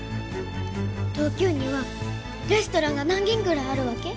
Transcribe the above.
東京にはレストランが何軒ぐらいあるわけ？